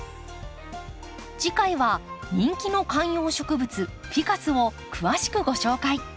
次回は人気の観葉植物フィカスを詳しくご紹介。